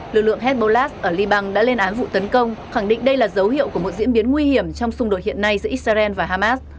lực lượng hezbollah ở liban đã lên án vụ tấn công khẳng định đây là dấu hiệu của một diễn biến nguy hiểm trong xung đột hiện nay giữa israel và hamas